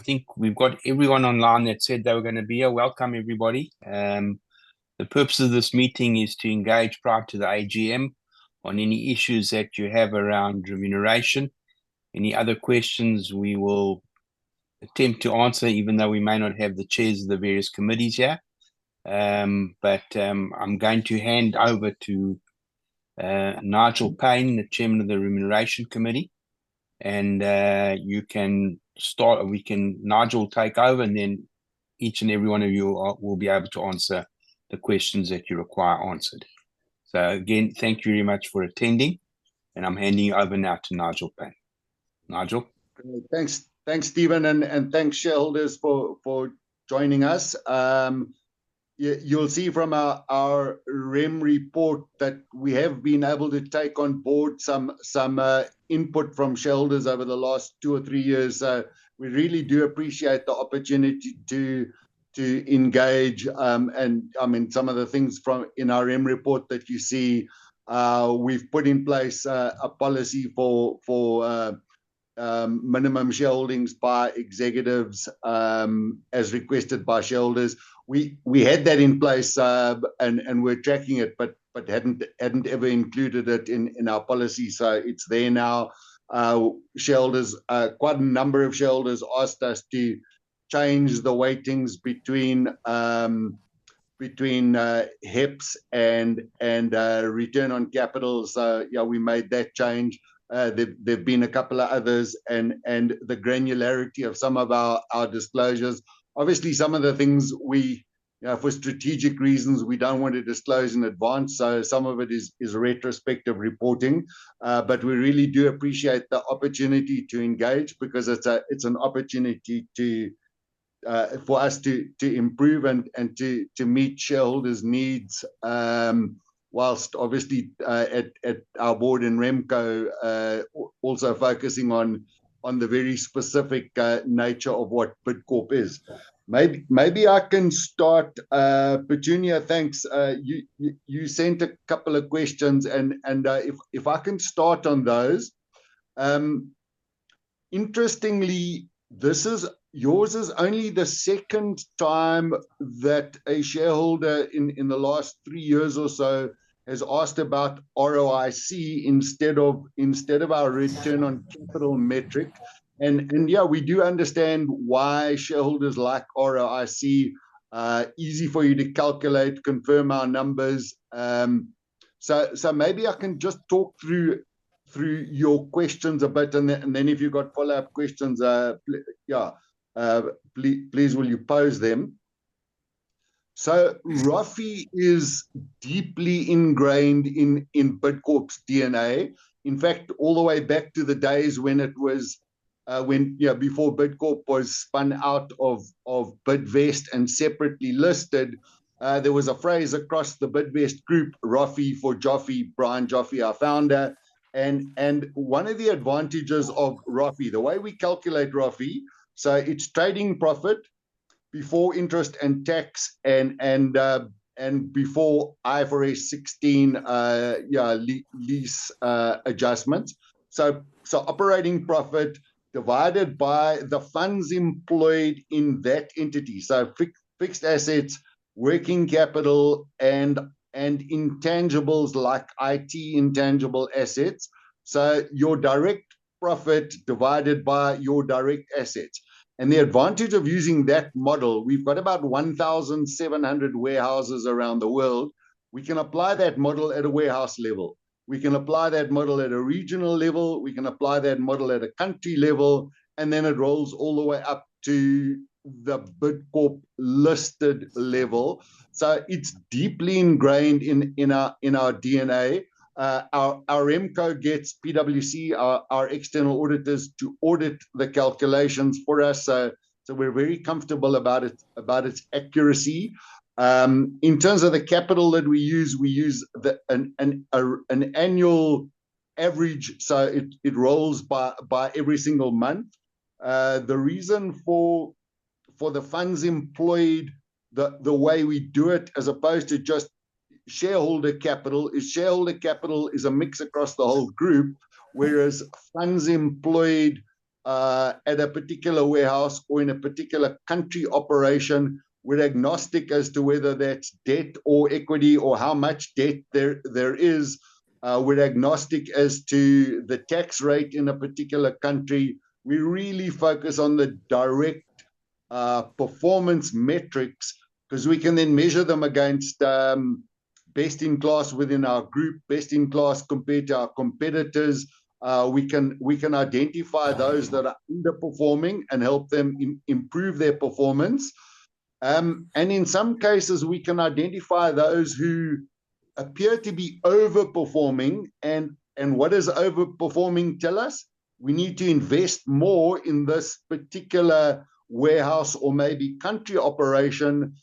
I think we've got everyone online that said they were gonna be here. Welcome, everybody. The purpose of this meeting is to engage prior to the AGM on any issues that you have around remuneration. Any other questions, we will attempt to answer, even though we may not have the chairs of the various committees here. I'm going to hand over to Nigel Payne, the Chairman of the Remuneration Committee, and you can start. Nigel, take over, and then each and every one of you will be able to answer the questions that you require answered. Again, thank you very much for attending, and I'm handing you over now to Nigel Payne. Nigel? Thanks. Thanks, Stephen, and thanks, shareholders, for joining us. You'll see from our Rem report that we have been able to take on Board some input from shareholders over the last two or three years. We really do appreciate the opportunity to engage, and I mean, some of the things in our Rem report that you see, we've put in place a policy for minimum shareholdings by executives, as requested by shareholders. We had that in place, and we're tracking it, but hadn't ever included it in our policy, so it's there now. Shareholders, quite a number of shareholders asked us to change the weightings between HEPS and return on capital. So, yeah, we made that change. There have been a couple of others and the granularity of some of our disclosures. Obviously, some of the things we for strategic reasons don't want to disclose in advance, so some of it is retrospective reporting. But we really do appreciate the opportunity to engage because it's an opportunity for us to improve and to meet shareholders' needs, while obviously at our Board and RemCo also focusing on the very specific nature of what Bidcorp is. Maybe I can start. Petunia, thanks, you sent a couple of questions, and if I can start on those. Interestingly, this is yours is only the second time that a shareholder in the last three years or so has asked about ROIC instead of our return on capital metric. And yeah, we do understand why shareholders like ROIC. Easy for you to calculate, confirm our numbers. So maybe I can just talk through your questions a bit, and then if you've got follow-up questions, please will you pose them? So ROFE is deeply ingrained in Bidcorp's DNA. In fact, all the way back to the days when it was before Bidcorp was spun out of Bidvest and separately listed, there was a phrase across the Bidvest Group, "ROFE for Joffe," Brian Joffe, our founder. One of the advantages of ROFE, the way we calculate ROFE, so it's trading profit before interest and tax and before IFRS 16 lease adjustments, so operating profit divided by the funds employed in that entity, so fixed assets, working capital, and intangibles like IT intangible assets, so your direct profit divided by your direct assets, and the advantage of using that model, we've got about 1,700 warehouses around the world. We can apply that model at a warehouse level. We can apply that model at a regional level, we can apply that model at a country level, and then it rolls all the way up to the Bidcorp listed level, so it's deeply ingrained in our DNA. Our RemCo gets PwC, our external auditors, to audit the calculations for us, so we're very comfortable about its accuracy. In terms of the capital that we use, we use an annual average, so it rolls by every single month. The reason for the funds employed, the way we do it, as opposed to just shareholder capital, is shareholder capital is a mix across the whole group, whereas funds employed, at a particular warehouse or in a particular country operation, we're agnostic as to whether that's debt or equity or how much debt there is. We're agnostic as to the tax rate in a particular country. We really focus on the direct performance metrics 'cause we can then measure them against best in class within our group, best in class compared to our competitors. We can identify those that are underperforming and help them improve their performance, and in some cases we can identify those who appear to be overperforming. What does overperforming tell us? We need to invest more in this particular warehouse or maybe country operation.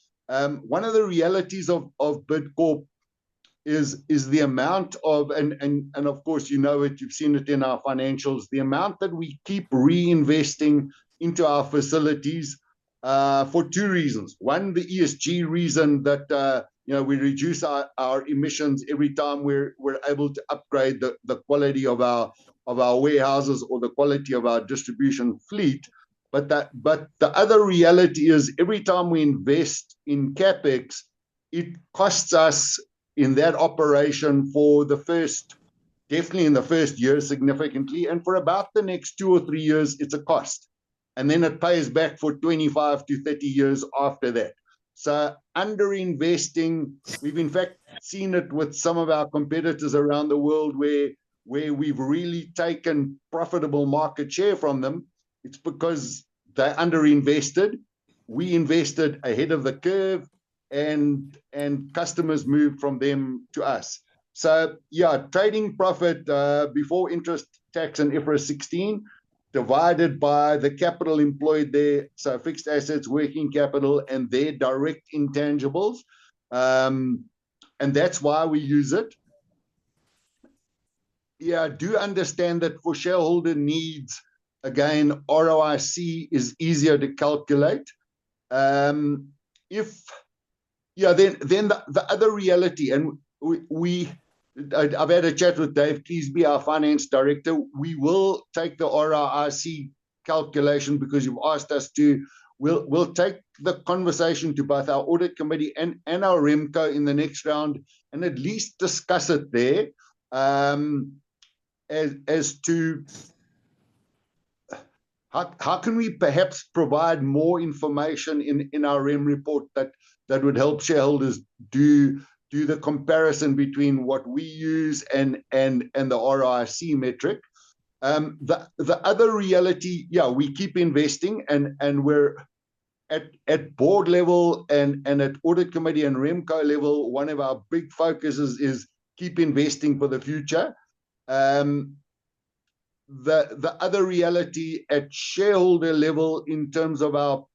One of the realities of Bidcorp is, and of course you know it, you've seen it in our financials, the amount that we keep reinvesting into our facilities for two reasons. One, the ESG reason that, you know, we reduce our emissions every time we're able to upgrade the quality of our warehouses or the quality of our distribution fleet, but the other reality is, every time we invest in CapEx, it costs us in that operation for the first definitely in the first year, significantly, and for about the next two or three years, it's a cost, and then it pays back for 25 to 30 years after that, so under investing, we've in fact seen it with some of our competitors around the world, where we've really taken profitable market share from them. It's because they under-invested. We invested ahead of the curve, and customers moved from them to us. So, yeah, trading profit before interest, tax and IFRS 16, divided by the capital employed there, so fixed assets, working capital, and their direct intangibles. And that's why we use it. Yeah, I do understand that for shareholder needs, again, ROIC is easier to calculate. Yeah, then the other reality, and I've had a chat with Dave Cleasby, our finance director. We will take the ROIC calculation because you've asked us to. We'll take the conversation to both our Audit Committee and our RemCo in the next round and at least discuss it there, as to how we can perhaps provide more information in our Rem report that would help shareholders do the comparison between what we use and the ROIC metric? The other reality, yeah, we keep investing and we're at Board level and at Audit Committee and RemCo level, one of our big focuses is keep investing for the future. The other reality at shareholder level in terms of our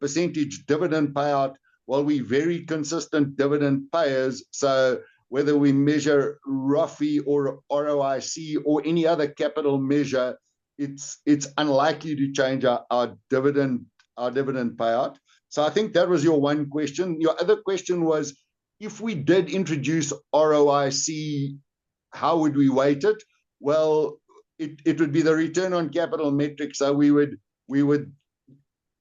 percentage dividend payout, while we're very consistent dividend payers, so whether we measure ROFE or ROIC or any other capital measure, it's unlikely to change our dividend payout. So I think that was your one question. Your other question was, if we did introduce ROIC, how would we weight it? Well, it would be the return on capital metric, so we would.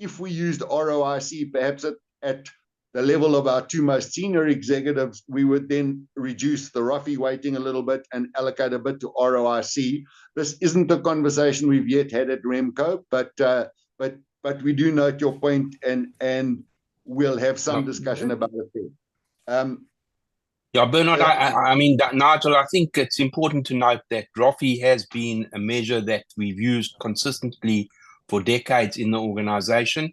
If we used ROIC, perhaps at the level of our two most senior executives, we would then reduce the ROFE weighting a little bit and allocate a bit to ROIC. This isn't a conversation we've yet had at RemCo, but we do note your point, and we'll have some discussion about it there. Yeah, Bernard, I mean, Nigel, I think it's important to note that ROFE has been a measure that we've used consistently for decades in the organization,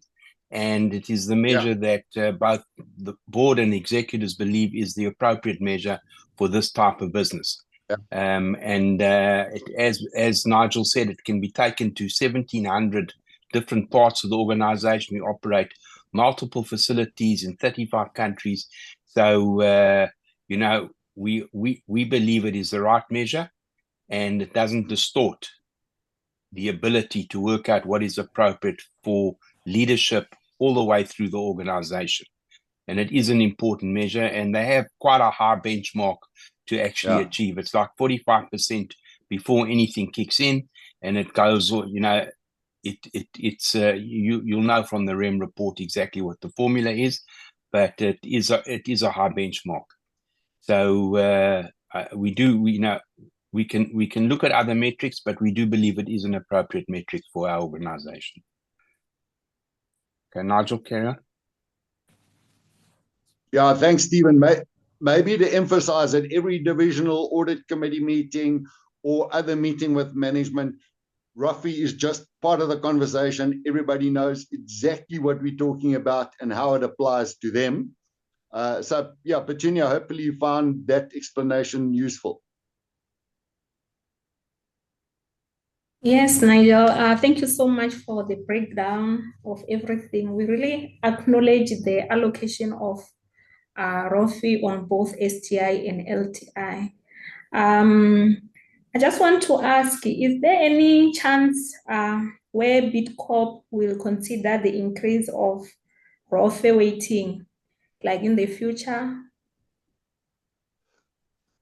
and it is the measure. Yeah That, both the Board and executives believe is the appropriate measure for this type of business. Yeah. As Nigel said, it can be taken to seventeen hundred different parts of the organization. We operate multiple facilities in thirty-five countries, so you know, we believe it is the right measure, and it doesn't distort the ability to work out what is appropriate for leadership all the way through the organization, and it is an important measure, and they have quite a high benchmark to actually achieve. Yeah. It's like 45% before anything kicks in, and it goes, you know, it's. You'll know from the RemCo report exactly what the formula is, but it is a high benchmark. So, we know we can look at other metrics, but we do believe it is an appropriate metric for our organization. Okay. Nigel, can you? Yeah, thanks, Stephen. Maybe to emphasize that every divisional Audit Committee meeting or other meeting with management, ROFE is just part of the conversation. Everybody knows exactly what we're talking about and how it applies to them. So yeah, Petunia, hopefully, you found that explanation useful. Yes, Nigel, thank you so much for the breakdown of everything. We really acknowledge the allocation of ROFE on both STI and LTI. I just want to ask, is there any chance where Bidcorp will consider the increase of ROFE weighting, like, in the future?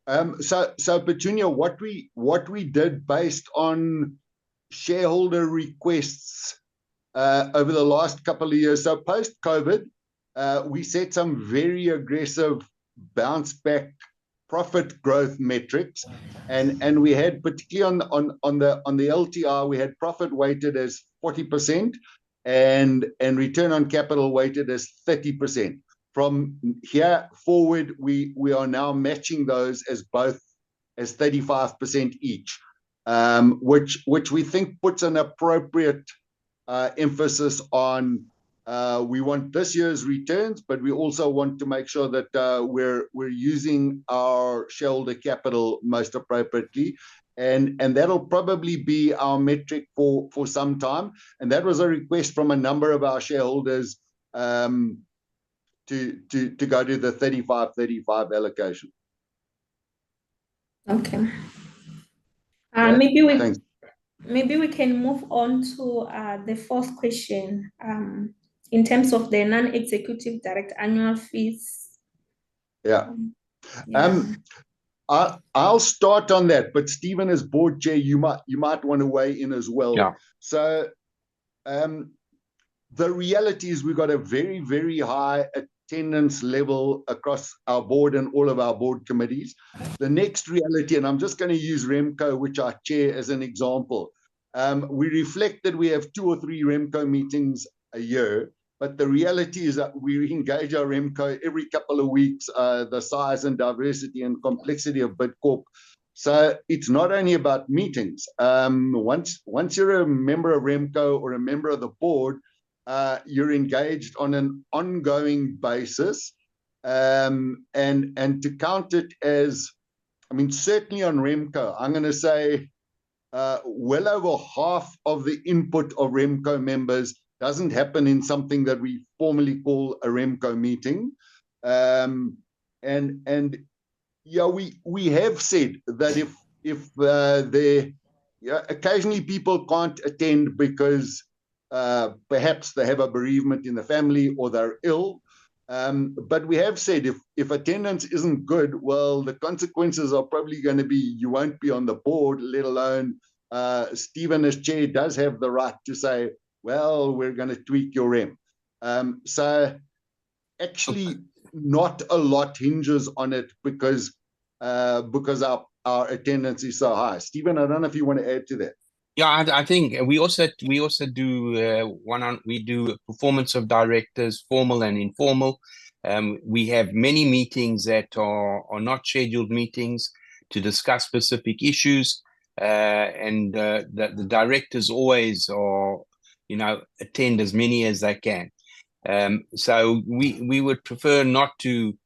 Petunia, what we did based on shareholder requests over the last couple of years, so post-COVID, we set some very aggressive bounce back profit growth metrics, and we had, particularly on the LTI, profit weighted as 40%, and return on capital weighted as 30%. From here forward, we are now matching those as both 35% each, which we think puts an appropriate emphasis on. We want this year's returns, but we also want to make sure that we're using our shareholder capital most appropriately, and that'll probably be our metric for some time, and that was a request from a number of our shareholders to go do the 35-35 allocation. Okay. Maybe we- Thanks. Maybe we can move on to the fourth question in terms of the non-executive director annual fees. Yeah. I'll start on that, but Stephen as Board chair, you might want to weigh in as well. Yeah. The reality is we've got a very, very high attendance level across our Board and all of our Board committees. The next reality, and I'm just gonna use RemCo, which I chair, as an example. We reflect that we have two or three RemCo meetings a year, but the reality is that we engage our RemCo every couple of weeks, the size and diversity and complexity of Bidcorp. It's not only about meetings. Once you're a member of RemCo or a member of the Board, you're engaged on an ongoing basis, and to count it as... I mean, certainly on RemCo, I'm gonna say, well over half of the input of RemCo members doesn't happen in something that we formally call a RemCo meeting. And yeah, we have said that if the, yeah, occasionally people can't attend because, perhaps they have a bereavement in the family or they're ill. But we have said, if attendance isn't good, well, the consequences are probably gonna be you won't be on the Board, let alone, Stephen, as chair, does have the right to say, "Well, we're gonna tweak your rem." So actually not a lot hinges on it because our attendance is so high. Stephen, I don't know if you want to add to that. Yeah, I think we also do performance of directors, formal and informal. We have many meetings that are not scheduled meetings to discuss specific issues, and the directors always, you know, attend as many as they can, so we would prefer not to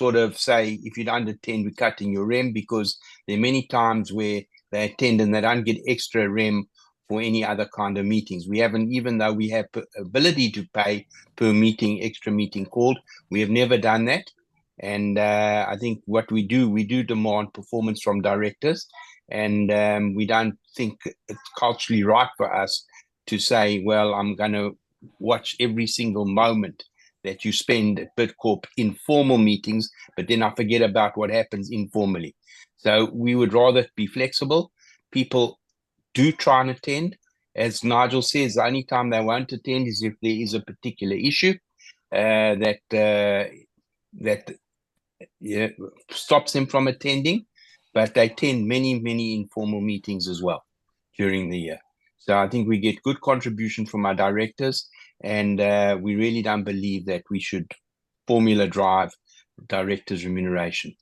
sort of say, "If you don't attend, we're cutting your rem," because there are many times where they attend and they don't get extra rem for any other kind of meetings. We haven't even though we have ability to pay per meeting, extra meeting called, we have never done that, and I think what we do, we demand performance from directors. And we don't think it's culturally right for us to say, "Well, I'm gonna watch every single moment that you spend at Bidcorp in formal meetings, but then I forget about what happens informally." So we would rather be flexible. People do try and attend. As Nigel says, the only time they won't attend is if there is a particular issue that stops them from attending, but they attend many, many informal meetings as well during the year. So I think we get good contribution from our directors, and we really don't believe that we should formula drive directors' remuneration.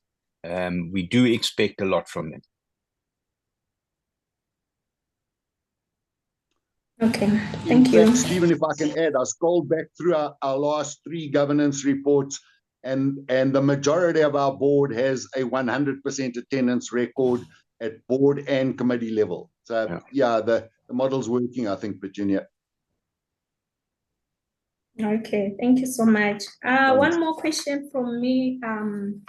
We do expect a lot from them. Okay, thank you. Stephen, if I can add, I scrolled back through our last three governance reports, and the majority of our Board has a 100% attendance record at Board and committee level. Yeah. So yeah, the model's working, I think, Virginia. Okay. Thank you so much. Please. One more question from me, I can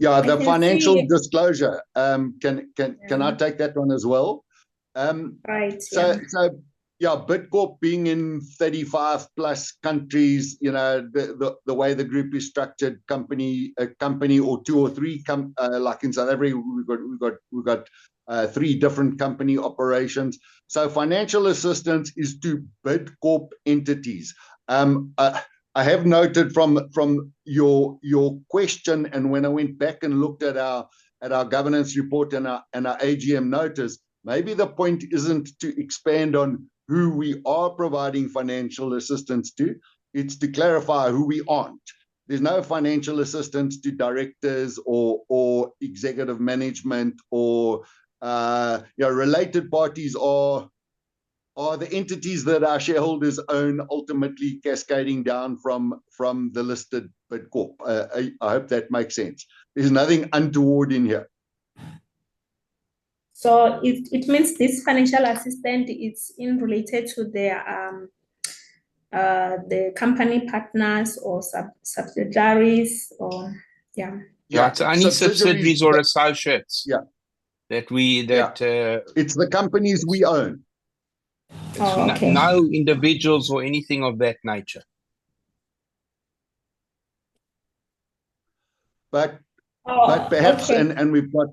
see- Yeah, the financial disclosure. Can... Yeah Can I take that one as well? Right, yeah. Yeah, Bidcorp being in 35-plus countries, you know, the way the group is structured, a company or two or three companies like in South Africa, we've got three different company operations. Financial assistance is to Bidcorp entities. I have noted from your question and when I went back and looked at our governance report and our AGM notice, maybe the point isn't to expand on who we are providing financial assistance to, it's to clarify who we aren't. There's no financial assistance to directors or executive management or, you know, related parties or the entities that our shareholders own ultimately cascading down from the listed Bidcorp. I hope that makes sense. There's nothing untoward in here. It means this financial assistance is in relation to their company partners or subsidiaries or yeah? Yeah, it's only subsidiaries or associates. Yeah That we Yeah. It's the companies we own. Oh, okay. No individuals or anything of that nature. But Oh, okay But perhaps, and we've got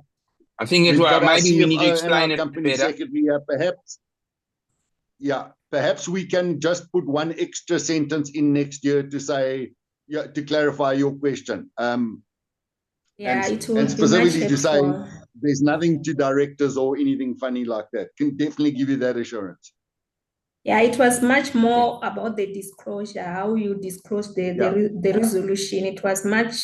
I'm thinking to I might even need to explain it better. Our CEO and our company secretary perhaps... Yeah, perhaps we can just put one extra sentence in next year to say... Yeah, to clarify your question. Yeah, it was much more Specifically to say there's nothing to directors or anything funny like that. Can definitely give you that assurance. Yeah, it was much more about the disclosure, how you disclose the. Yeah The resolution. It was much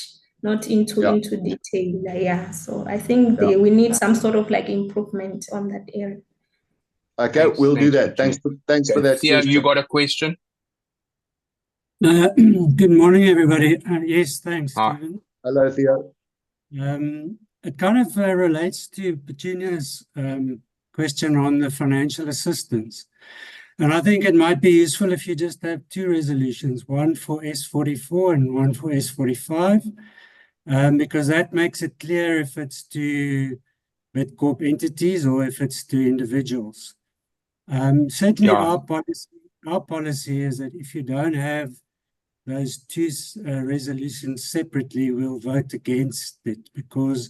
not into Yeah Into detail. Yeah. So I think Yeah We need some sort of, like, improvement on that area. Okay, we'll do that. Thanks. Thanks for that suggestion. Theo, have you got a question? Good morning, everybody. Yes, thanks, Stephen. Hi. Hello, Theo. It kind of relates to Virginia's question on the financial assistance, and I think it might be useful if you just have two resolutions, one for Section 44 and one for Section 45. Because that makes it clear if it's to Bidcorp entities or if it's to individuals. Certainly our policy is that if you don't have those two resolutions separately, we'll vote against it, because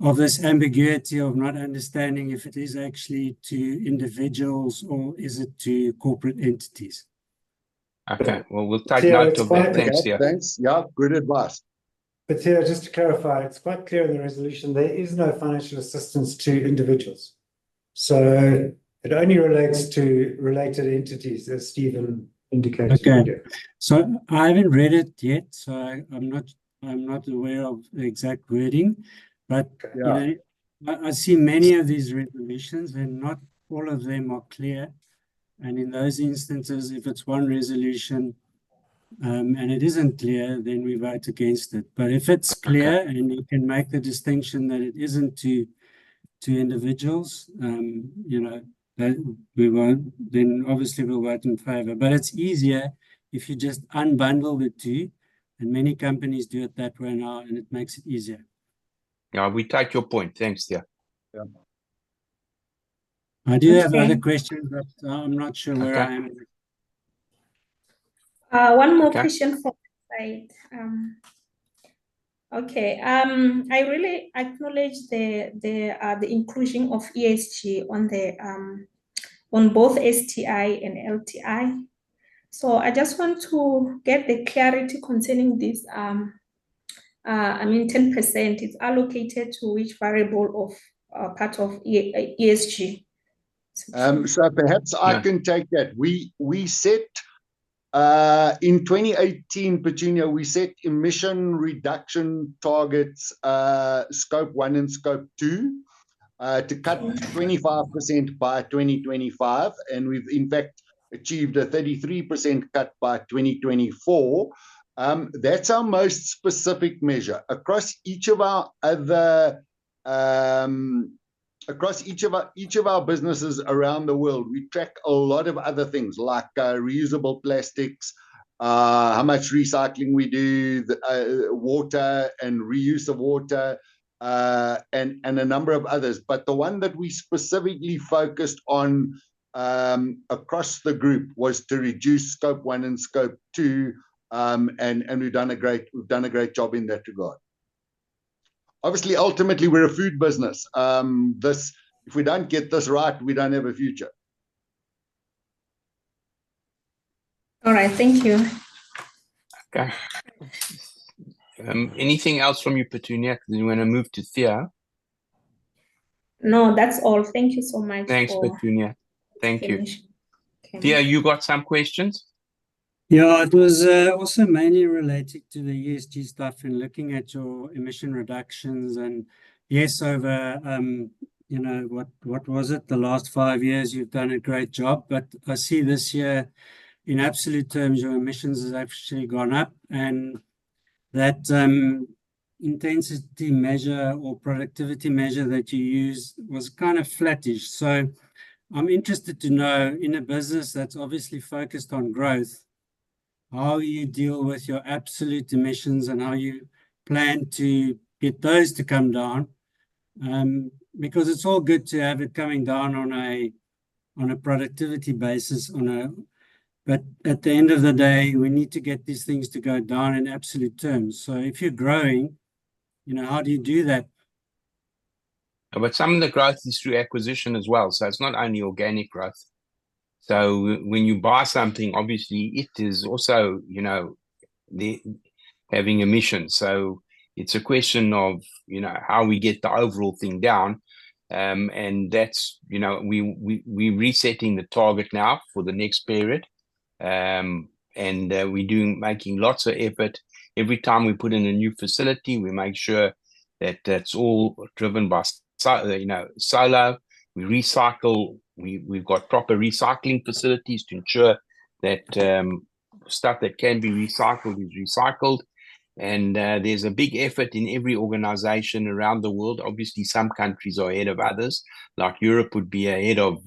of this ambiguity of not understanding if it is actually to individuals or is it to corporate entities. Okay, well, we'll take note of that. Thanks, yeah. Thanks. Yeah, great advice. But, yeah, just to clarify, it's quite clear in the resolution there is no financial assistance to individuals, so it only relates to related entities, as Stephen indicated. Okay. So I haven't read it yet, so I'm not aware of the exact wording, but Yeah I see many of these resolutions and not all of them are clear, and in those instances, if it's one resolution, and it isn't clear, then we vote against it. But if it's clear- Okay And you can make the distinction that it isn't to individuals, you know, then we won't... then obviously we'll vote in favor. But it's easier if you just unbundle the two, and many companies do it that way now, and it makes it easier. Yeah, we take your point. Thanks, yeah. Yeah. I do have other questions, but I'm not sure where I am with Okay. One more question from my side. Okay. I really acknowledge the inclusion of ESG on both STI and LTI, so I just want to get the clarity concerning this. I mean, 10% is allocated to which variable of, or part of ESG? So perhaps I can take that. Yeah. We set in 2018 emission reduction targets, Scope 1 and Scope 2, to cut 25% by 2025, and we've in fact achieved a 33% cut by 2024. That's our most specific measure. Across each of our other businesses around the world, we track a lot of other things, like reusable plastics, how much recycling we do, the water and reuse of water, and a number of others. But the one that we specifically focused on across the group was to reduce Scope 1 and Scope 2, and we've done a great job in that regard. Obviously, ultimately, we're a food business. This, if we don't get this right, we don't have a future. All right. Thank you. Okay. Anything else from you, Petunia? 'Cause we wanna move to Theo. No, that's all. Thank you so much for- Thanks, Petunia. Thank you. Thank you. Theo, you got some questions? Yeah. It was also mainly related to the ESG stuff in looking at your emission reductions, and yes, over you know, what was it? The last five years, you've done a great job. But I see this year, in absolute terms, your emissions has actually gone up, and that intensity measure or productivity measure that you use was kind of flattish. So I'm interested to know, in a business that's obviously focused on growth, how you deal with your absolute emissions and how you plan to get those to come down. Because it's all good to have it coming down on a productivity basis. But at the end of the day, we need to get these things to go down in absolute terms. So if you're growing, you know, how do you do that? But some of the growth is through acquisition as well, so it's not only organic growth, so when you buy something, obviously it is also, you know, the having emissions, so it's a question of, you know, how we get the overall thing down, and that's, you know, we resetting the target now for the next period, and we're making lots of effort. Every time we put in a new facility, we make sure that that's all driven by solar. We recycle, we've got proper recycling facilities to ensure that stuff that can be recycled is recycled, and there's a big effort in every organization around the world. Obviously, some countries are ahead of others, like Europe would be ahead of,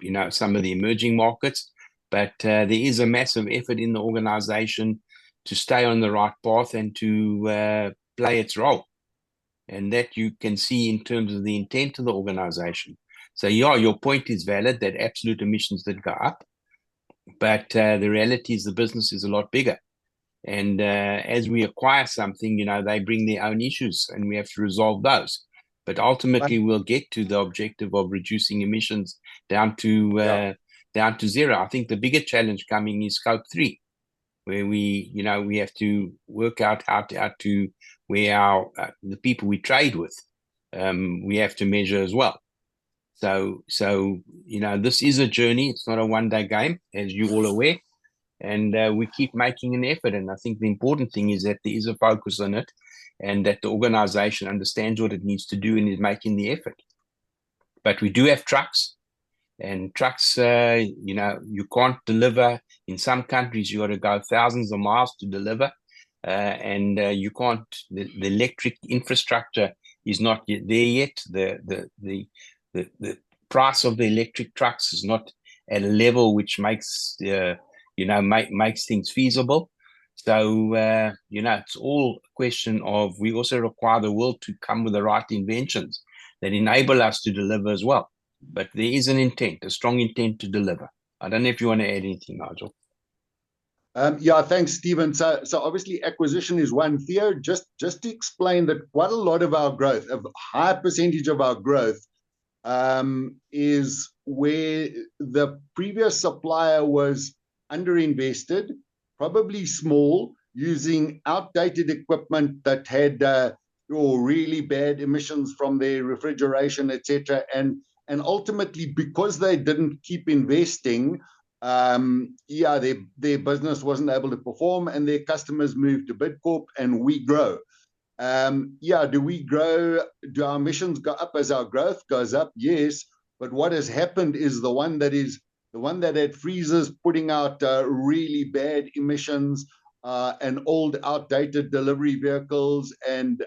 you know, some of the emerging markets. But, there is a massive effort in the organization to stay on the right path and to play its role, and that you can see in terms of the intent of the organization. So, yeah, your point is valid, that absolute emissions did go up, but, the reality is the business is a lot bigger. And, as we acquire something, you know, they bring their own issues, and we have to resolve those. Right. But ultimately, we'll get to the objective of reducing emissions down to- Yeah Down to zero. I think the bigger challenge coming is Scope 3, where we, you know, we have to work out how to, how to where our, the people we trade with, we have to measure as well. So, you know, this is a journey. It's not a one-day game, as you're all aware. Mm. We keep making an effort, and I think the important thing is that there is a focus on it, and that the organization understands what it needs to do and is making the effort. We do have trucks, and trucks, you know, you can't deliver. In some countries, you gotta go thousands of miles to deliver, and you can't. The price of the electric trucks is not at a level which makes, you know, makes things feasible. You know, it's all a question of, we also require the world to come with the right inventions that enable us to deliver as well. There is an intent, a strong intent to deliver. I don't know if you want to add anything, Nigel? Yeah, thanks, Stephen. So obviously acquisition is one. Theo, just to explain that quite a lot of our growth, a high percentage of our growth, is where the previous supplier was under-invested, probably small, using outdated equipment that had, oh, really bad emissions from their refrigeration, et cetera. And ultimately, because they didn't keep investing, yeah, their business wasn't able to perform, and their customers moved to Bidcorp, and we grow. Yeah, do we grow - do our emissions go up as our growth goes up? Yes, but what has happened is the one that is the one that had freezers putting out, really bad emissions, and old, outdated delivery vehicles and,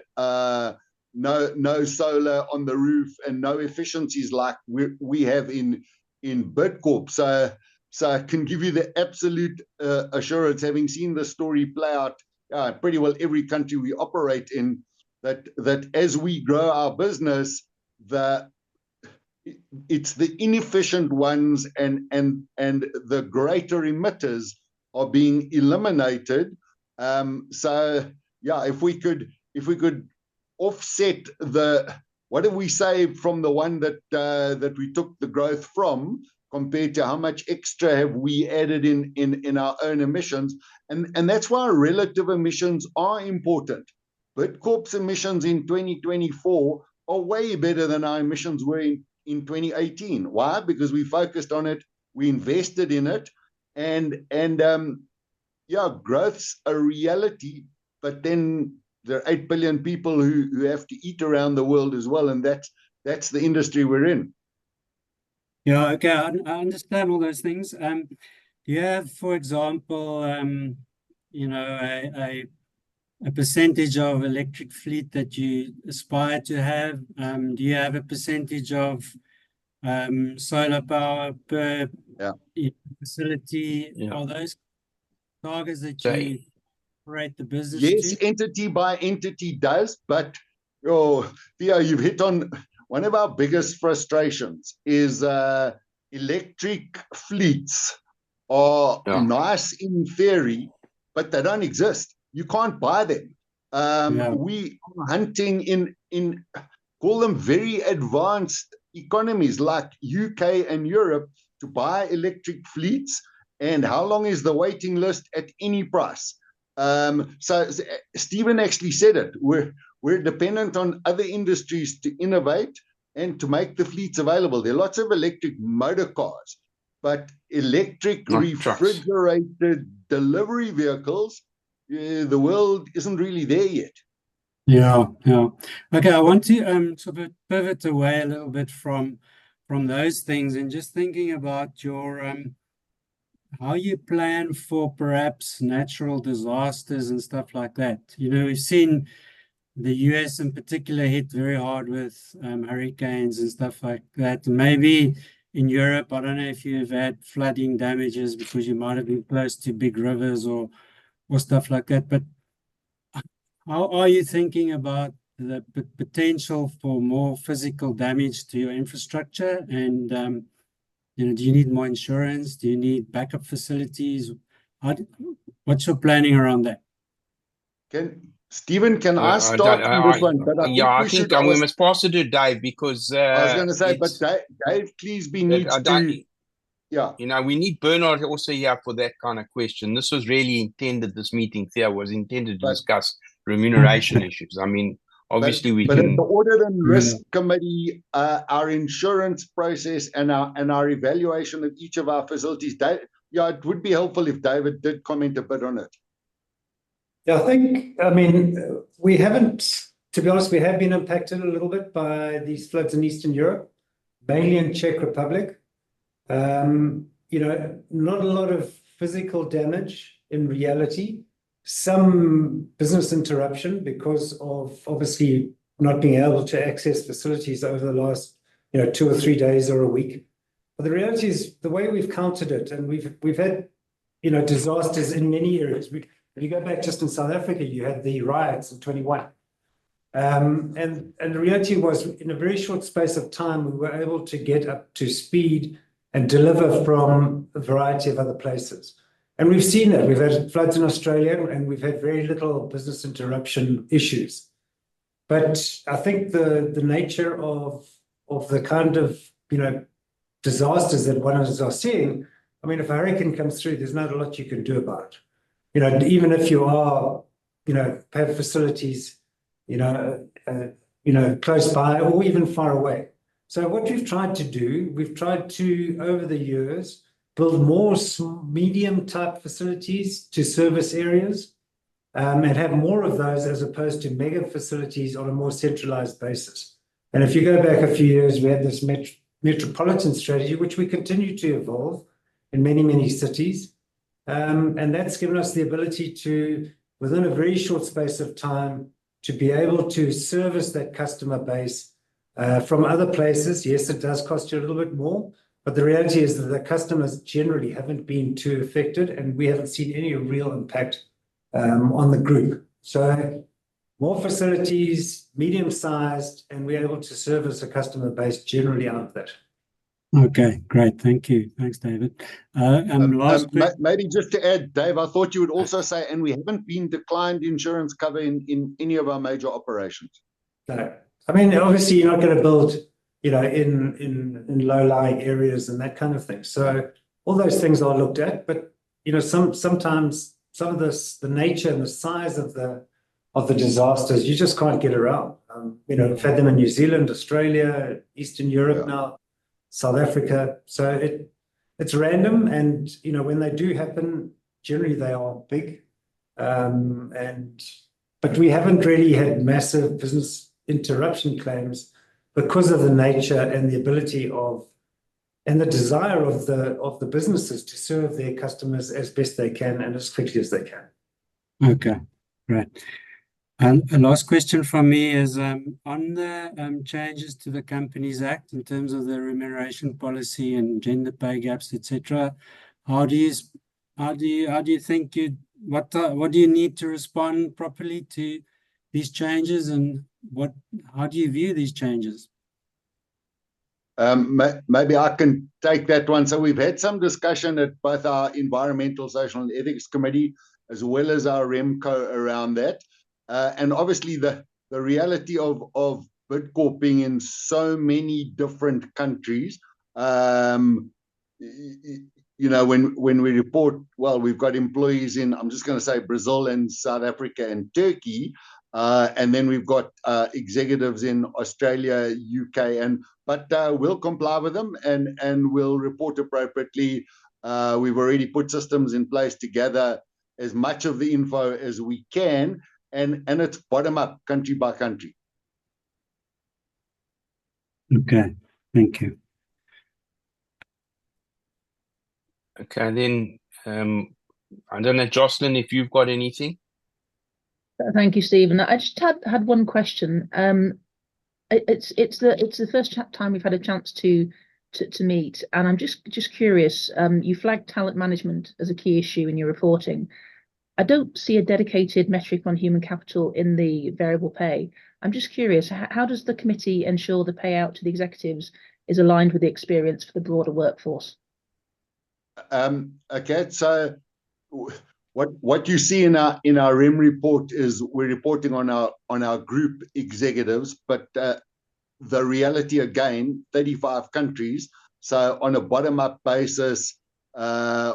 no, no solar on the roof and no efficiencies like we have in Bidcorp. So I can give you the absolute assurance, having seen this story play out pretty well every country we operate in, that as we grow our business, it's the inefficient ones and the greater emitters are being eliminated. So yeah, if we could offset what did we save from the one that we took the growth from, compared to how much extra have we added in our own emissions? And that's why relative emissions are important. Bidcorp's emissions in 2024 are way better than our emissions were in 2018. Why? Because we focused on it, we invested in it, and yeah, growth's a reality, but then there are eight billion people who have to eat around the world as well, and that's the industry we're in. Yeah. Okay, I understand all those things. Do you have, for example, you know, a percentage of electric fleet that you aspire to have? Do you have a percentage of solar power per- Yeah Facility? Yeah. Are those targets that you operate the business to? Yes, entity by entity does, but, oh, Theo, you've hit on one of our biggest frustrations is, electric fleets are- Yeah Nce in theory, but they don't exist. You can't buy them. Yeah We are hunting in what we call very advanced economies like UK and Europe to buy electric fleets, and how long is the waiting list at any price? Stephen actually said it. We're dependent on other industries to innovate and to make the fleets available. There are lots of electric motor cars, but electric refrigerated delivery vehicles, the world isn't really there yet. Yeah, yeah. Okay, I want to sort of pivot away a little bit from those things and just thinking about your how you plan for perhaps natural disasters and stuff like that. You know, we've seen the U.S. in particular hit very hard with hurricanes and stuff like that. Maybe in Europe, I don't know if you've had flooding damages because you might have been close to big rivers or stuff like that. But how are you thinking about the potential for more physical damage to your infrastructure and you know, do you need more insurance? Do you need backup facilities? What's your planning around that? Stephen, can I start on this one? Yeah, I think, we must pass it to Dave, because, it's- I was gonna say, but Dave, please, we need to- Uh, Dave. Yeah. You know, we need Bernard also here for that kind of question. This was really intended, this meeting, Theo, was intended to discuss- Right Remuneration issues. I mean, obviously we can- But the Audit and Risk Committee, our insurance process and our evaluation of each of our facilities. Yeah, it would be helpful if David did comment a bit on it. Yeah, I think, I mean, we haven't. To be honest, we have been impacted a little bit by these floods in Eastern Europe, mainly in Czech Republic. You know, not a lot of physical damage in reality. Some business interruption because of obviously not being able to access facilities over the last, you know, two or three days or a week. But the reality is, the way we've countered it, and we've had, you know, disasters in many areas. If you go back just in South Africa, you had the riots in 2021. And the reality was, in a very short space of time, we were able to get up to speed and deliver from a variety of other places, and we've seen it. We've had floods in Australia, and we've had very little business interruption issues. But I think the nature of the kind of, you know, disasters that one of us are seeing, I mean, if a hurricane comes through, there's not a lot you can do about it. You know, even if you are, you know, have facilities, you know, close by or even far away. So what we've tried to do, over the years, build more medium-type facilities to service areas, and have more of those as opposed to mega facilities on a more centralized basis. And if you go back a few years, we had this metropolitan strategy, which we continue to evolve in many, many cities. And that's given us the ability to, within a very short space of time, to be able to service that customer base, from other places. Yes, it does cost you a little bit more, but the reality is that the customers generally haven't been too affected, and we haven't seen any real impact on the group. So more facilities, medium-sized, and we're able to service the customer base generally out of that. Okay, great. Thank you. Thanks, David. And last- Maybe just to add, Dave, I thought you would also say, "And we haven't been declined insurance cover in any of our major operations. No. I mean, obviously, you're not gonna build, you know, in low-lying areas and that kind of thing. So all those things are looked at, but, you know, sometimes some of the nature and the size of the disasters, you just can't get around. You know, we've had them in New Zealand, Australia, Eastern Europe now- Yeah South Africa. So it's random and, you know, when they do happen, generally they are big. But we haven't really had massive business interruption claims because of the nature and the ability of, and the desire of the businesses to serve their customers as best they can and as quickly as they can. Okay, great. And a last question from me is, on the changes to the Companies Act in terms of the remuneration policy and gender pay gaps, et cetera, how do you think you need to respond properly to these changes, and how do you view these changes? Maybe I can take that one. So we've had some discussion at both our Environmental, Social, and Ethics Committee, as well as our REMCO around that. And obviously, the reality of Bidcorp being in so many different countries, you know, when we report, well, we've got employees in, I'm just gonna say Brazil, and South Africa, and Turkey, and then we've got executives in Australia, U.K., and. But we'll comply with them, and we'll report appropriately. We've already put systems in place to gather as much of the info as we can, and it's bottom-up, country by country. Okay, thank you. Okay, then, I don't know, Jocelyn, if you've got anything? Thank you, Stephen. I just had one question. It's the first time we've had a chance to meet, and I'm just curious. You flagged talent management as a key issue in your reporting. I don't see a dedicated metric on human capital in the variable pay. I'm just curious, how does the committee ensure the payout to the executives is aligned with the experience for the broader workforce? Okay, so what, what you see in our, in our RemCo report is we're reporting on our, on our group executives, but, the reality, again, 35 countries. So on a bottom-up basis,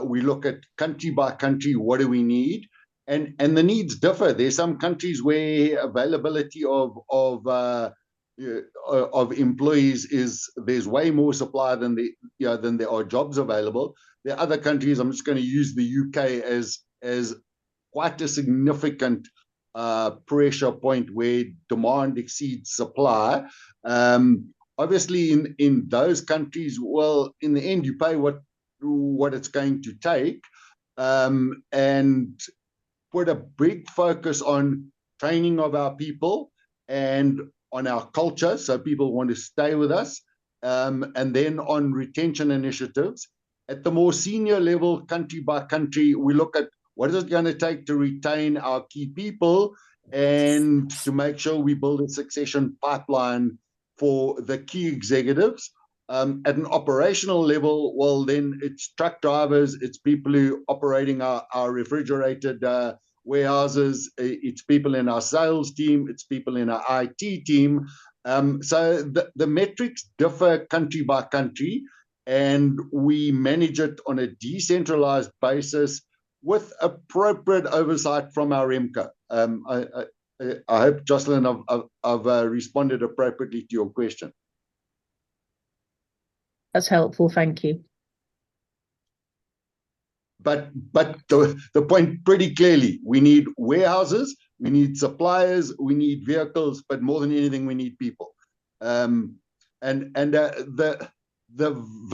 we look at country by country, what do we need? And, and the needs differ. There's some countries where availability of employees is there's way more supply than the, you know, than there are jobs available. There are other countries, I'll just gonna use the U.K. as, as quite a significant, pressure point where demand exceeds supply. Obviously, in, in those countries, well, in the end, you pay what, what it's going to take. And put a big focus on training of our people and on our culture, so people want to stay with us, and then on retention initiatives. At the more senior level, country by country, we look at what is it gonna take to retain our key people and to make sure we build a succession pipeline for the key executives. At an operational level, then it's truck drivers, it's people operating our refrigerated warehouses, it's people in our sales team, it's people in our IT team. So the metrics differ country by country, and we manage it on a decentralized basis with appropriate oversight from our RemCo. I hope, Jocelyn, I've responded appropriately to your question. That's helpful, thank you. But the point pretty clearly, we need warehouses, we need suppliers, we need vehicles, but more than anything, we need people. And the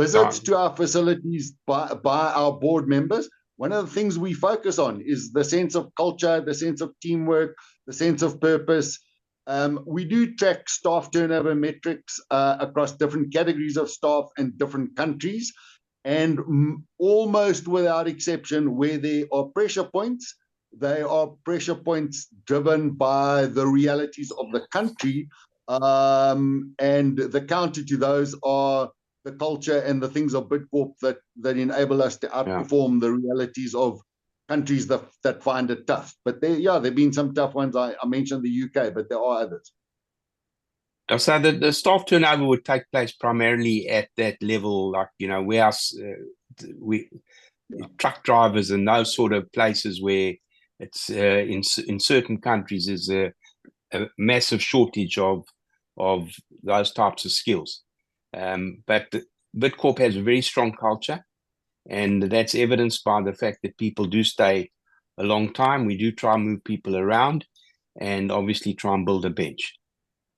visits- Yeah To our facilities by our Board members, one of the things we focus on is the sense of culture, the sense of teamwork, the sense of purpose. We do track staff turnover metrics across different categories of staff in different countries. And almost without exception, where there are pressure points, there are pressure points driven by the realities of the country. And the counter to those are the culture and the things of Bidcorp that enable us to- Yeah Outperform the realities of countries that find it tough. But there, yeah, there've been some tough ones. I mentioned the U.K., but there are others. So the staff turnover would take place primarily at that level, like, you know, warehouse truck drivers and those sort of places where it's in certain countries, there's a massive shortage of those types of skills. But Bidcorp has a very strong culture, and that's evidenced by the fact that people do stay a long time. We do try and move people around and obviously try and build a bench.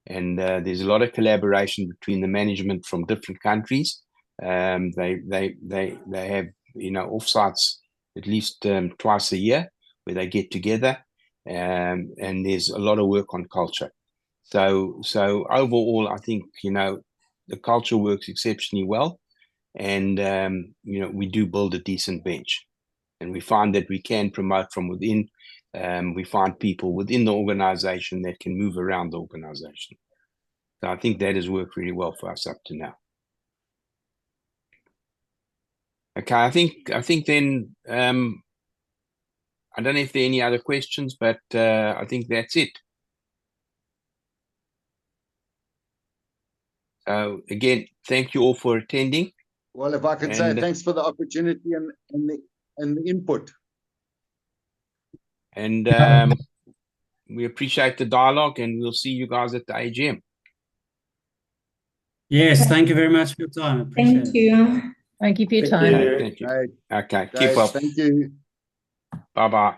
And there's a lot of collaboration between the management from different countries. They have, you know, offsites at least twice a year where they get together and there's a lot of work on culture. So overall, I think, you know, the culture works exceptionally well, and, you know, we do build a decent bench, and we find that we can promote from within. We find people within the organization that can move around the organization. So I think that has worked really well for us up to now. Okay, I think then, I don't know if there are any other questions, but, I think that's it. Again, thank you all for attending. Well, if I can say- And, uh- Thanks for the opportunity and the input. We appreciate the dialogue, and we'll see you guys at the AGM. Yes. Yeah. Thank you very much for your time. I appreciate it. Thank you. Thank you for your time. Thank you. Thank you. Bye. Okay, keep well. Guys, thank you. Bye-bye.